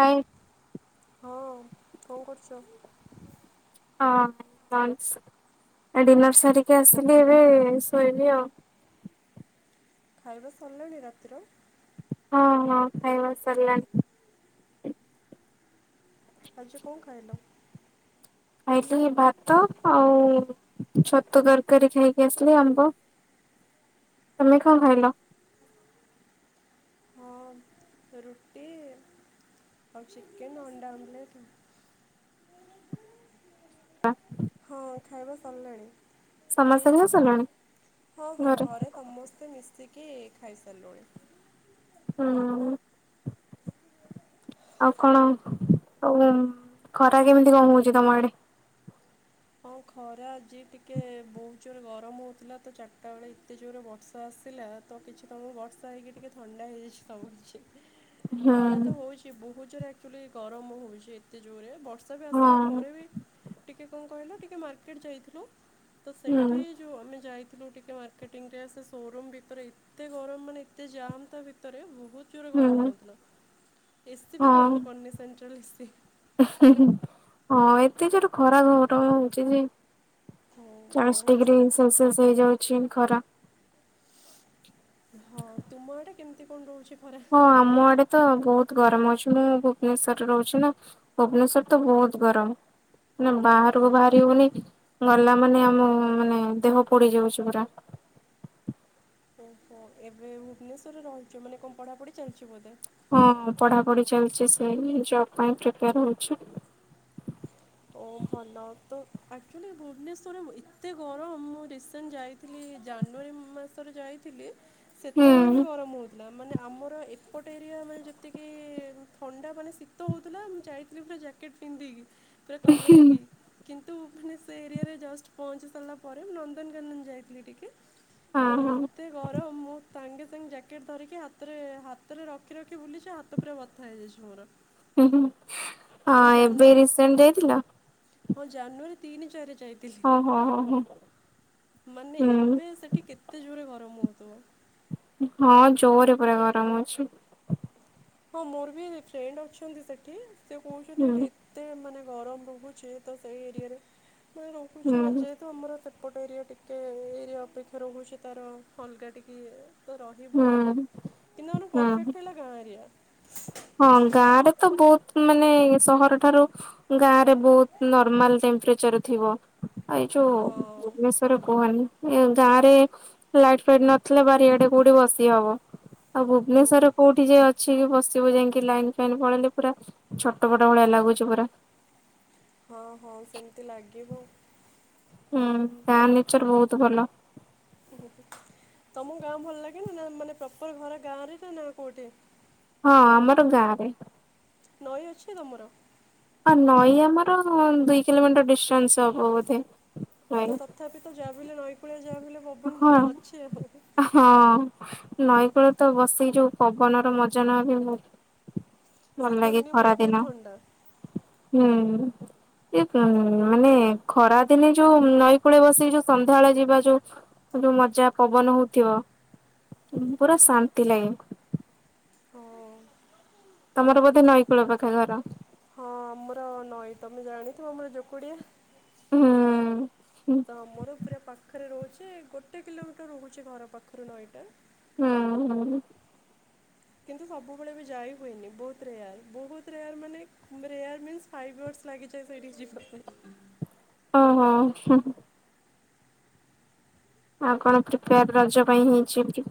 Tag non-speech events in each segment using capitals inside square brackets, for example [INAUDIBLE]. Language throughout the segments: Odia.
ହାଏ। ହଁ କଣ କରୁଛ? ହଁ ଲଞ୍ଚ ଡିନର୍ ସାରିକି ଆସିଲି ଏବେ ଶୋଇବି ଆଉ। ଖାଇବା ସାରିଲାଣି ରାତିର ହଁ ହଁ ଖାଇବା ସରିଲାଣି। ଆଜି କଣ ଖାଇଲ? ଖାଇଲି ଭାତ ଆଉ ଛତୁ ତରକାରୀ ଖାଇକି ଆସିଲି ଆମ୍ବ। ତମେ କଣ ଖାଇଲ? ହଁ ରୁଟି ଆଉ ଚିକେନ ଅଣ୍ଡା ଆମ୍ଲେଟ। ହଁ। ହଁ ଖାଇବା ସରିଲାଣି। ସମସ୍ତେ ଖାଇ ସାରିଲଣି ହଁ ହଁ ଘରେ ସମସ୍ତେ ମିଶି ମିଶିକି ଖାଇସାରିଲୁଣି ହୁଁ ଆଉ କଣ ଆଉ ଖରା କେମିତି କଣ ହଉଚି ତମ ଆଡ଼େ? ହଁ ଖରା ଆଜି ଟିକେ ବହୁତ ଜୋରେ ଗରମ ହଉଥିଲା ତ ଚାରିଟା ବେଳେ ଏତେ ଜୋରେ ବର୍ଷା ଆସିଲା ତ କିଛି ତମ ବର୍ଷା ହେଇକି ଟିକେ ଥଣ୍ଡା ହେଇଯାଇଛି ସବ କିଛି। ହୁଁ ଖରା ତ ହଉଛି ବହୁତ ଜୋରେ ଆଚୁଲି ଗରମ ହଉଚି ଏତେ ଜୋରେ ବ ବର୍ଷା ବି ଆସିଲା ହଁ ପରେ ବି ଟିକେ କହିଲ ଟିକେ ମାର୍କେଟ୍ ଯାଇଥିଲୁ। ତ ହୁଁ ସେଠି ଯୋଉ ଆମେ ଯାଇ ଥିଲୁ ଟିକେ ମାର୍କେଟିଂ ରେ ସେ ସୋରୁମ ଭିତରେ ଏତେ ଗରମ ମାନେ ଏତେ ଜାମ୍ ତା ଭିତରେ ବହୁତ ଜୋରେ ଗରମ ହୁଁ ହଉଥୁଲା। ଏସିି ହଁ ବି କାମ କରନି ସେଣ୍ଟ୍ରାଲ୍ ଏସିି। ହୁଁ ହୁଁ। ହଁ ଏତେ ଯୋଟ ଖରା [UNINTELLIGIBLE] ହଉଚି ଯେ। ହଁ ଚାଳିଶ ବହୁତ ଡିଗ୍ରୀ ଜୋର ସେଲସିୟସ ହେଇଯାଉଛି ଖରା। ହଁ ତୁମ ଆଡେ କେମିତି କଣ ରହୁଚି? ହଁ ଆମ ଆଡେ ତ ବହୁତ। ଗରମ ଅଛି ମୁଁ ଭୁବନେଶ୍ୱର ରେ ରହୁଛି ନା ଭୁବନେଶ୍ଵର ତ ବହୁତ ଗରମ ମାନେ ଓ ବାହାରକୁ ବାହାରି ହଉନି ଗଲା ମାନେ ଆମ ମାନେ ଦେହ ପୋଡି ଯାଉଚି ପୁରା। ଓହୋ ଏବେ ଭୁବନେଶ୍ୱରରେ ରହୁଚ ମାନେ କଣ ପଢା ପୁଢି ଚାଲିଚି ବୋଧେ। ହଁ ପଢାପୁଢି ଚାଲଚି ସେମତି ଜବ ପାଇଁ ପ୍ରିପେୟାର ହଉଛି। ଓ ଭଲ ତ ଆଚୁଆଲି ଭୁବନେଶ୍ୱରରେ ଏତେ ଗରମ ମୁଁ ରିସେଣ୍ଟ ଯାଇଥିଲି ଜାନୁଆରୀ ମାସରେ ଯାଇଥିଲି। ସେତବେଳେ ବି ହୁଁ। ଗରମ ହଉ ନା ମାନେ ଆମର ଏପଟେ ଏରିଆ ମାନେ ଯେତିକି ଥଣ୍ଡା ମାନେ ଶୀତ ହଉଥୁଲା ମୁଁ ଯାଇ। ପୁରା ଜ୍ୟାକେଟ ପିନ୍ଧିକି। ଉପରେ କଭର ହେଇକି କି ତୁ ମାନେ ସେ ଏରିଆରେ ଜଷ୍ଟ ପହଞ୍ଚି ସାରିଲା ପରେ ମୁଁ ନନ୍ଦନକାନନ ଯାଇଥିଲି ଟିକେ। ହଁ ତ ହଁ ଏତେ ଗରମ ମୁଁ। ସାଙ୍ଗେ ସାଙ୍ଗେ ଜ୍ୟାକେଟ ଧରିକି ହାତରେ ହାତରେ ରଖି ରଖି ବୁଲିଚି ହାତ ପୁରା ବଥା ହେଇଯାଇଚି ମୋର। ସେ ହଁ ଏବେ ଜାନୁଆରୀ ରିସେଣ୍ଟ ଯାଇଥିଲ। ହଁ ଜାନୁଆାର ତିନି ଚାରି ରେ। ହଁ ହଁ ହଁ ହଁ। ମାନେ ହୁଁ ଏବେ ସେଠି କେତେ ଯ ରେ ଗରମ ହଉଥୁବ। ହଁ ଜୋରେ ପୁରା ଗରମ ଅଛି। ହଁ ମୋର ବି ଫ୍ରେଣ୍ଡ ଅଛନ୍ତି ସେଠି। ସେ କହୁଚନ୍ତି ଏଠି ହୁଁ। ଏତେ ମାନେ। ଗରମ ରହୁଛି ତ ସେଇ ଏରିଆରେ ନାଇଁ ହୁଁ ରହୁଛି ଯେହେତୁ ଆମର ଏତେ ଏପଟ ଏରିଆ ଟିକେ ଏରିଆ ଅପେକ୍ଷା ରହୁଛି ତାର ଅଲଗା ଟିକେଇଏ ତ ହୁଁ ରହିବ ଆଉ କିନ୍ତୁ ଆମର ହୁଁ। ପରଫେକ୍ଟ ହେଲା ଗାଁଏରିଆ। ହଁ ଗାଁ ରେ ତ ବହୁତ ମାନେ ସହର ଠାରୁ ଗାଁ ରେ ବହୁତ ନର୍ମାଲ ଟେମ୍ପରେଚର ଥିବ। ଏଇ ଯୋଉ ହଁ ଭୁବନେଶ୍ଵରରେ କୁହନି। ଗାଁ ରେ ଲାଇଟ୍ ଫାଇଟ ନଥିଲେ ବାରିଆଡେ କୋଉଠି ବସି ହବ, ଆଉ ହଁ। ଭୁବନେଶର ରେ କୋଉଠି ଯେ ଅଛି କି ବସି ଏବେ ଯାଇକି ଲାଇନ ଫାଇନ୍ ପଳେଇଲେ ପୁରା ଛଟ ପଟ ଭଳିଆ ଲାଗୁଛି ପୁରା। ହଁ ହଁ ସେମିତି ଲାଗିବ। ହୁଁ ତା ନେଚର ବହୁତ ଭଲ। ତମକୁ ଗାଁ ଭଲ ଲାଗେନା ନା ମାନେ ପ୍ରପର ଘର ଗାଁ ରେ ନା ନା କୋଉଠି? ହଁ ଆମର ଗାଁ ରେ। ନଈ ଅଛି ତମର? ଆଉ ନଈ ଆମର ଦୁଇ କିଲୋମିଟର ଡିଷ୍ଟାନ୍ସ ହବ ବୋଧେ। ନଈ ତ ତଥାପି ତ ଯାପ ନଈ କୁଳିଆ ହଁ ହଁ ହଁ ନଈକୂଳ ତ ବସି ଯୋଉ ପବନର ମଜା ନବା ପାଇଁ ମ ଭଲ ଶୀତ ଲାଗେ ଦିନେ ଖରା ବହୁତ ଦିନ ଥଣ୍ଡା। ହୁଁ। ଏ ଉ ମାନେ ଖରାଦିନେ ଯୋଉ ନଈ କୂଳେ ବସିକି ଯୋଉ ସନ୍ଧ୍ୟାବେଳେ ଯିବା ଯୋଉ। ଯୋଉ ମଜା ପବନ ହଉଥିବ ପୁରା ଶାନ୍ତି ଲାଗେ। ହଁ ତମର ବୋଧେ ନଈକୂଳ ପାଖେ ଘର? ହଁ ଆମର ନଈ ତମେ ଜାଣିଥିବ ଆମର [INAUDIBLE] ହୁଁ। ହୁଁ ତ ଆମର ପୁରା ପାଖରେ ରହୁଛି। ସେ ଗୋଟେ କିଲୋମିଟର ରହୁଛି ଘର ପାଖରୁ ନଈଟା। ହୁଁ ହୁଁ। କିନ୍ତୁ ସବୁବେଳେ ବି ଯାଇ ହୁଏନି ବହୁତରେୟାର ବହୁତରେୟାର ମାନେ ରେୟାର ମିନ୍ସ ଫାଇଭ ୟିଅର୍ସ ଲାଗିଯାଏ ସେଠିକି ଯିବା ପାଇଁ। ଓ ହୋ ହଁ। ଆଉ କଣ ପ୍ରିପେୟାର ରଜ ପାଇଁ ହେଇଛନ୍ତି?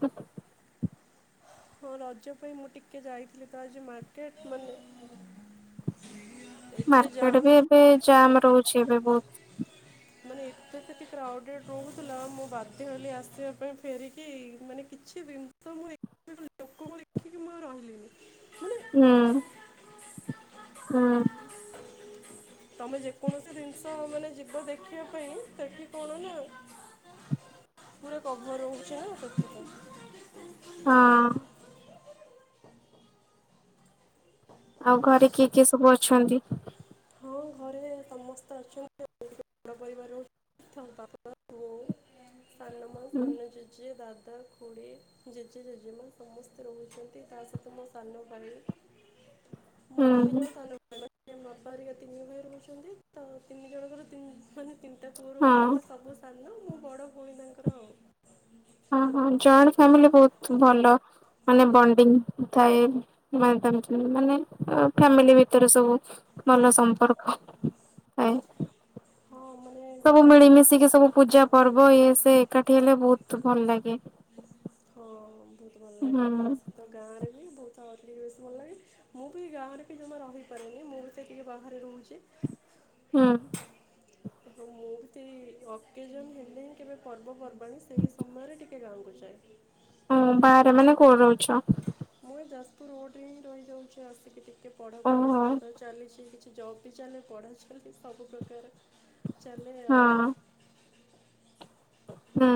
ହଁ ରଜ ପାଇଁ ମୁଁ ଟିକେ ଯାଇଥିଲି ତ ଆଜି ମାର୍କେଟ ମାନେ ଏତେ ମାର୍କେଟ ଜାମ୍ ବି ଦେଖି ଏବେ ଜାମ ରହୁଛି ଏବେ ବହୁତ। ମାନେ ଏତେ ସେଠି କ୍ରାଉଡେଡ଼ ରହୁଥିଲା ମୁଁ ବାଧ୍ୟ ହେଲି ଆସିବା ପାଇଁ ଫେରିକି ମାନେ କିଛି ଜିନିଷ ମୁଁ [INAUDIBLE] ଲୋକଙ୍କୁ ଦେଖିକି ମୁଁ ରହିଲିନି। ମାନେ ନାଁ ହଁ। ତମେ ଯେକୌଣସି ଜିନିଷ ମାନେ ଯିବ ଦେ ଦେଖିବା ପାଇଁ ସେଠି କଣ ନା ପୁରା କଭର ରହୁଛିନା ସେଥିପାଇଁ। ହଁ। ଆଉ ଘରେ କିଏ କିଏ ସବୁ ଅଛନ୍ତି? ହଁ ଘରେ ସମସ୍ତେ ଅଛନ୍ତି। [INAUDIBLE] ସାନମା ହୁଁ। ସାନ ଜେଜେ ଦା ଦାଦା ଖୁଡି ଜେଜେ ଜେଜେମା ସମସ୍ତେ ରହୁଛନ୍ତି ତା ସହିତ ମୋ ସାନ ଭାଇ। ମୋର ହୁଁ ତିନି ହୁଁ। ଜଣ [INAUDIBLE] ତିନି ଭାଇ ରହୁଛନ୍ତି ତ ତିନି ଜଣଙ୍କର ତିନି ମାନେ ତିନି- ହଁ [UNINTELLIGIBLE] ମୁଁ ବଡ ଭଉଣୀ। ତାଙ୍କର ଆଉ ହଁ ହଁ ଜଏଣ୍ଟ ଫାମିଲି ବହୁତ ଭଲ ମାନେ ବଣ୍ଡିଙ୍ଗ ଥାଏ ମାନେ ଫ୍ୟାମିଲି ଭିତରେ ସବୁ ଭଲ ସମ୍ପର୍କ ଥାଏ। ହଁ ମାନେ ସବୁ ଗୋଟେ ଅର୍କି ମିଳିମିଶିକି ସବୁ ପୂଜା ପର୍ବ ଇଏ- ସେ ଏକାଠି ହେଲେ ବହୁତ ଭଲ ଲାଗେ। ହଁ ବହୁତ ଭଲ ଲାଗେ ହୁଁ ତା ସହିତ ଗାଁ ରେ- [INAUDIBLE] ମୁଁ ବି ଗାଁରେ ବି ଜମା ରହିପାରୁନି ମୁଁ ବି ସେ ଟିକେ ବାହାରେ ରହୁଛି। ହଁ। ଆ ମୁଁ ସେଇ ଅକେଜନ ହେଲେ ହିଁ କେବେ ପର୍ବପର୍ବାଣୀ ସେଇ ସମୟରେ ଟିକେ ଗାଁକୁ ଯାଏ। ହଁ ବାହାରେ ମାନେ କୋଉଠି ରହୁଛ? ମୁଁ ଯାଜପୁର ରୋଡରେ ହିଁ ରହିଯାଉଛି ଆସିକି ଟିକେ ଟିକେ ପଢାପଢି ଓହୋ ସହିତ ଚାଲିଛି କିଛି ଜବ୍ ବି ଚାଲେ ପଢା ଚାଲେ ସବୁ ପ୍ରକାର ଚାଲେ ହଁ ଆଉ। ହୁଁ।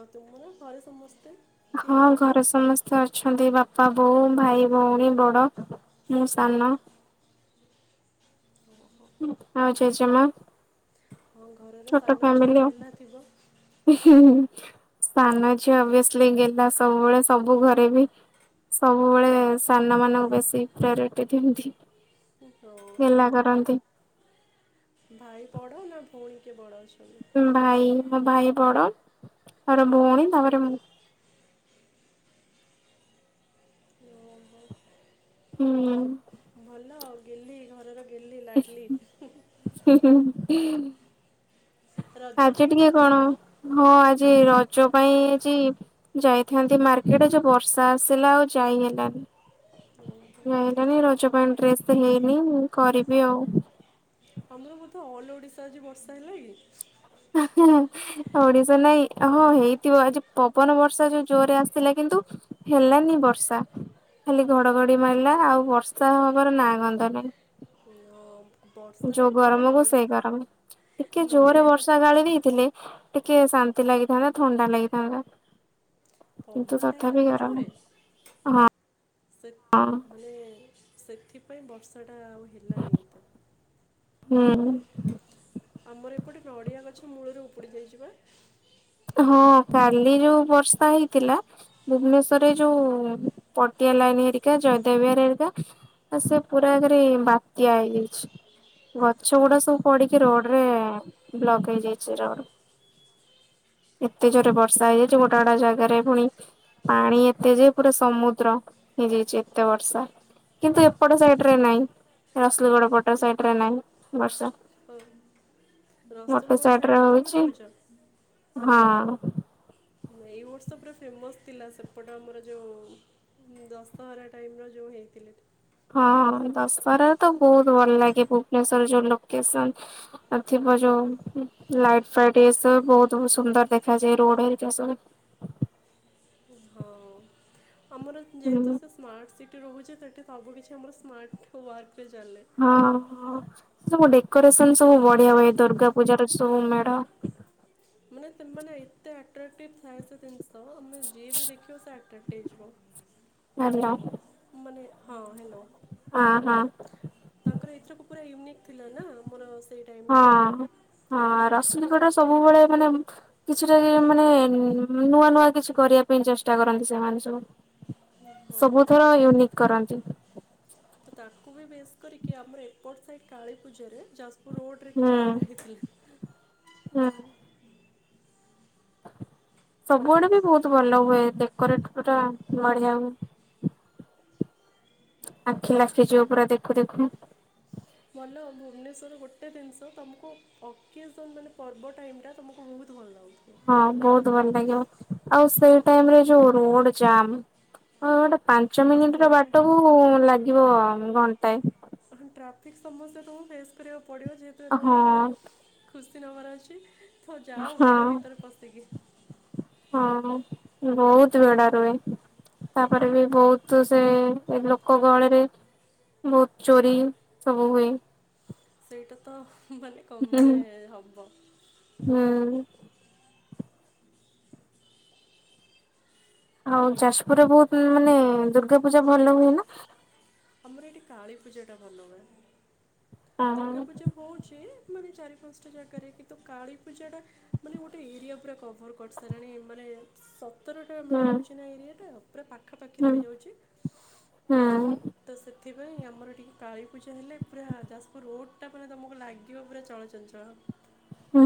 ଆଉ ତୁମର ଘରେ ସମସ୍ତେ କିଏ ହଁ କ'ଣ ଘରେ ସମସ୍ତେ ଅଛନ୍ତି ବାପା ବାପା ବୋଉ ଭାଇ ଭଉଣୀ ବଡ ମୁଁ ସାନ ଓହୋ ଆଉ ଜେଜେମା ହଁ ଘରର ଛୋଟ ସାନ ଝିଅ ଫ୍ୟାମିଲି ଗେହ୍ଲା ଥିବ ଆଉ। ହୁଁ ସାନ ଝିଅ ଓବିୟସ୍ଲି ଗେଲ୍ହା ସବୁବେଳେ ସବୁ ଘରେ ବି ସବୁବେଳେ ସାନ ମାନଙ୍କୁ ବେଶୀ ପ୍ରାୟୋରିଟି ଦିଅନ୍ତି। ହଁ ଗେହ୍ଲା ମାନେ କରନ୍ତି। ଭାଇ ବଡ ନା ଭଉଣୀ କିଏ ବଡ ଅଛନ୍ତି? ଭାଇ ମୋ ଭାଇ ବଡ ମୋର ଭଉଣୀ ତାପରେ ମୁଁ। ଓହୋ ହୁଁ। ହେଲା ଆଉ ଗେହ୍ଲି ଘରର ଗେହ୍ଲି ଲାଡ଼ଲି ହୁଁ ହଁ। ରଜ ଆଜି ପାଇଁ ଟିକେ କଣ ହଁ ଆଜି ରଜ ପାଇଁ ଆଜି ଯାଇଥାନ୍ତି ମାର୍କେଟରେ ଯୋଉ ବର୍ଷା ଆସିଲା ଆଉ ଯାଇହେଲାନି। ଓହୋ ଆଇଲାଣି ରଜ ପାଇଁ ଡ୍ରେସ୍ ସେ ହେଇନି ମୁଁ କରିବି ଆଉ। ଆମର ବୋଧେ ଅଲ ଓଡିଶା ଆଜି ବର୍ଷା ହେଲା କି? ନାଇଁ ଓଡିଶା ନାଇଁ ହଁ ହେଇଥିବ ଆଜି ପବନ ବର୍ଷା ଯୋଉ ଜୋରରେ ଆସିଥିଲା କିନ୍ତୁ ହେଲାନି ବର୍ଷା ଖାଲି ଘଡଘଡି ମାରିଲା ଆଉ ବର୍ଷା ହବାର ନାଁ ଗନ୍ଧ ନାହିଁ। ହଁ ଯୋଉ ବର୍ଷାରେ ଏପଟେ ଗରମ କୁ ନଡ଼ି ସେଇ ଗରମ ଟିକେ ଜୋରେ ନଡ଼ିଆ ବର୍ଷା ଗଛ ଗାଳି ଦେଇଥିଲେ ଟିକେ ଶାନ୍ତି ଲାଗିଥାନ୍ତା ଥଣ୍ଡା ଲାଗିଥାନ୍ତା। କିନ୍ତୁ ପବନ ଟା ହେଲା ତଥାପି ନା ଗରମ ଜୋରେ ହଁ ସେ ମାନେ ସେଥିପାଇଁ ବର୍ଷା ଟା ଆଉ ହେଲାନି ଏତେ ହୁଁ ଆମର ଏପଟେ ନଡିଆ ଗଛ ମୂଳରୁ ଉପୁଡ଼ି ଯାଇଛି ବା। ହଁ କାଲି ଯୋଉ ବର୍ଷା ହେଇଥିଲା ଭୁବନେଶ୍ୱରରେ ଯୋଉ ପଟିଆ ଲାଇନ ହେରିକା ଜୟଦେବବିହାର ହେରିକା ସେ ପୁରା ଆଗରେ ବାତ୍ୟା ହେଇଯାଇଛି ଗଛ ଗୁଡା ସବୁ ପଡିକି ରୋଡରେ ବ୍ଲକ୍ ହେଇଯାଇଛି ରୋଡ। ଏତେ ଜୋରେ ବର୍ଷା ହେଇଯାଇଛି ଗୋଟା ଗୋଟା ଜାଗାରେ ପୁଣି ପାଣି ଏତେ ଯେ ପୁରା ସମୁଦ୍ର ହେଇଯାଇଛି। ଏତେ ବର୍ଷା କିନ୍ତୁ ଏପଟ ସାଇଡ ରେ ନାହିଁ ରସୁଲଗଡ ପଟ ସାଇଡ ରେ ନାହିଁ ବର୍ଷା। ହଁ ରସୁଲଗଡ ସାଇଡ ରେ ତମେ ରହୁଛ? ହଁ। ଏଇ ବର୍ଷ ପୂରା ଫେମସ୍ ଥିଲା ସେପଟ ଆମର ଯୋଉ ଦଶହରା ଟାଇମ୍ ର ଯୋଉ ହେଇଥିଲା। ହଁ ଦଶହରାରେ ତ ବହୁତ ଭଲ ଲାଗେ ଭୁବନେଶ୍ୱରର ଯୋଉ ଲୋକେସନ ଥିବ ଯୋଉ ଲାଇଟ ଫାଇଟ ଏସବୁ ବହୁତ ସୁନ୍ଦର ଦେଖାଯାଏ ରୋଡ ହେରିକା ସବୁ। ହଁ ଆମର ଯେହେତୁ ହୁଁ ସେ ସ୍ମାର୍ଟ ସିଟି। ରହୁଛେ ସେଠି ସବୁ କିଛି ଆମର ସ୍ମାର୍ଟ ୱାର୍କ ରେ ଚାଲେ। ହଁ ସବୁ ଡେକୋରେସନ ସବୁ ବଢିଆ ହୁଏ। ଦୁର୍ଗାପୂଜା ର ସବୁ ମେଢ। ତମାନେ ଏତେ ଆଟ୍ରାକ୍ଟିଭ ଥାଏ ସେ ଜିନିଷ। ଆମେ ଯିଏ ବି ଦେଖିବ ସେ ଆ ଟେଟେଇ ଯିବ ଭଲ। ମାନେ ହଁ ହେଲୋ। ତାଙ୍କର ଭିତ୍ରକୁ ପୁରା ୟୁନିକ୍ ଥିଲା ନା ମୋର ହଁ ହଁ ରସୁଲୁଗଡ। ସବୁବେଳେ ମାନେ କିଛିଟା କି ମାନେ ନୂଆ ନୂଆ କିଛି କରିବା ପାଇଁ ଚେଷ୍ଟା କରନ୍ତି ସେମାନେ ସବୁ। ହଁ ସବୁଥର ୟୁନିକ୍। କରନ୍ତି। ତ ତାକୁ ବି ବେଶ୍ କରିକି ଆମର ଏପଟ ସାଇ କାଳୀ ପୂଜାରେ ଯାଜ ରୋଡ୍ ରେ ହୁଁ କିଛି କରାହେଇଥିଲା। ହୁଁ। ସବୁଆଡେ ବି ବହୁତ ଭଲ ହୁଏ। ଡେକୋରେଟ୍ ପୁରା ବଢିଆ ହୁଏ। ଆଖି ଲାଖି ଯିବ ପୁରା ଦେଖୁ ଦେଖୁ। ଭଲ ଭୁବନେଶ୍ୱର ଗୋଟେ ଜିନିଷ ତୁମକୁ ଅକେଜନ ମାନେ ପର୍ବ ଟାଇମ୍ ଟା ତୁମକୁ ବହୁତ ଭଲ ଲାଗୁ। ହଁ ବହୁତ ଭଲ ଲାଗିବ। ଆଉ ସେଇ ଟାଇମ୍ ରେ ଯୋଉ ରୋଡ ଜାମ୍। ପାଞ୍ଚ ଆଉ ମିନିଟ୍ ର ସେଇଟା ବାଟକୁ ଲାଗିବ। ଘଣ୍ଟାଏ। ହଁ ଟ୍ରାଫିକ୍ ସମସ୍ୟା ତକୁ ଫେସ୍ କରିବାକୁ ପଡିବ ଯେଥିରେ ହଁ ତୁମକୁ ଖୁସି ନେବାର ଅଛି। ଠ ଯାଅ ହଁ। ବିଡ ଭିତରେ ପସିକି। ହଁ ବହୁତ ଭେଡା ରୁହେ। ତାପରେ ବି ବହୁତ ସେ ଲୋକ ଗହଳିରେ ବହୁତ ଚୋରି ସବୁ ହୁଏ। ସେଇଟା ତ ମାନେ କମ୍ ମାନେ ହବ। ହୁଁ ହଉ ଯାଜପୁରରେ ବହୁତ ମାନେ ଦୁର୍ଗାପୂଜା ଭଲ ହୁଏ ନା। ଆମର ଏଇଠି କାଳୀ ପୂଜାଟା ଭଲ ହୁଏ। ହୁଁ ଦୁର୍ଗାପୂଜା ହଉଛି। ମାନେ ଚାରି ପାଞ୍ଚଟା ଜାଗାରେ କିନ୍ତୁ କାଳୀପୂଜାଟା ମାନେ ଗୋଟେ ଏରିଆ ପୁରା କଭର୍ କରିସାରିଲାଣି। ମାନେ ଉତ୍ତରଟା ମେଢ ହେଉଛି ନା ଏରିଆଟା ଆଉ। ପୁରା ପାଖାପାଖି ହୁଁ ରହିଯାଉଛି। ହୁଁ ତ ସେଥିପାଇଁ ଆମର ଟିକେ କାଳୀପୂଜା ହେଲେ ପୁରା ଯାଜପୁର ରୋଡ଼୍ ଟା ପୁରା ତମକୁ ଲାଗିବ ପୁରା ଚଳଚଞ୍ଚଳ। ହୁଁ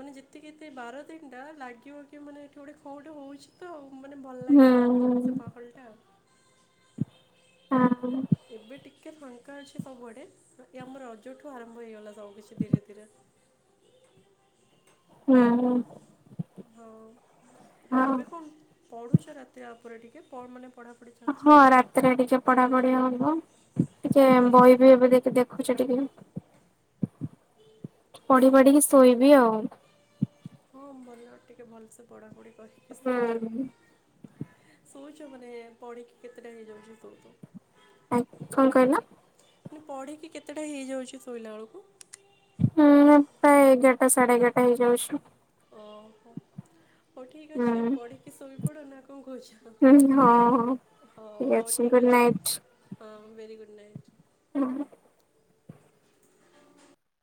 ମାନେ ଯେତିକି ଏତେ ବାର ଦିନଟା ଲାଗିବ କି ମାନେ ଏଠି ଗୋଟେ ଖ ଗୋଟେ ହଉଛି ତ ଆଉ ମତେ ଭଲ୍ ଲାଗେ ଆଉ ହୁଁ। ସେ ପାାଗଲ୍ ଟା ଆଉ ହଁ ଏବେ ଟିକେ ଫାଙ୍କା ଅଛି ସବୁଆଡେ ଆମ ରଜଠୁ ଆରମ୍ଭ ହେଇଗଲା ସବୁ କିଛି ଧୀରେ ଧୀରେ ହୁଁ ହଁ ହଉ ଏବେ କଣ? ପଢୁଚ ରାତିରେ ଆ ଉପରେ ଟିକେ ପ ମାନେ ପଢ଼ାପଢ଼ି ଚାଲିଛି? ହଁ ରାତିରେ ଟିକେ ପଢାପଢି ହବ ଟିକେ ବହି ବି ଏବେ ଦେଖି ଦେ ରଖୁଚି ଟିକେ ପଢି ପାଢିକି ଶୋଇବି ଆଉ ହଁ ଭଲ ଟିକେ ଭଲ୍ ସେ ପଢାପଢି ହଁ ଶୋଉଛ ମାନେ ପଣିକି କେତେ ଟା ହେଇଯାଉଛି ତ ତୁ ଆ କଣ କହିଲ? ମୁଁ ପଢ଼ିକି କେତେଟା ହେଇଯାଉଛି ଶୋଇଲା ବେଳକୁ ହୁଁ ପ୍ରାୟ ଏଗାରଟା ସାଢେ ଏଗାରଟା ହେଇ ଯାଉଚୁ। ଓହୋ ହଉ ଠିକ୍ ଅଛି ହୁଁ ପଢିକି ଶୋଇ ପଡ଼ ନା କଣ ହୁଁ ହଁ କହୁଛ ହଁ। ହଉ ହଉ ଠିକ୍ ଅଛି ହଁ ଭେରି ଗୁଡ଼୍ ନାଇଟ୍। ହଁ